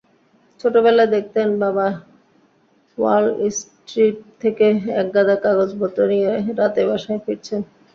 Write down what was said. ছোটবেলায় দেখতেন বাবা ওয়ালস্ট্রিট থেকে একগাদা কাগজপত্র নিয়ে রাতে বাসায় ফিরছেন।